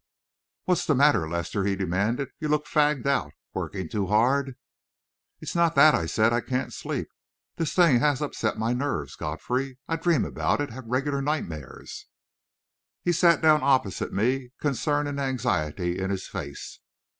"What's the matter, Lester?" he demanded. "You're looking fagged out. Working too hard?" "It's not that," I said. "I can't sleep. This thing has upset my nerves, Godfrey. I dream about it have regular nightmares." He sat down opposite me, concern and anxiety in his face.